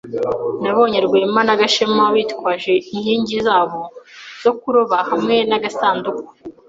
Nabonye Rwema na Gashema bitwaje inkingi zabo zo kuroba hamwe nagasanduku.